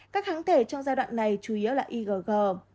các hãng thể trong giai đoạn này chủ yếu là igg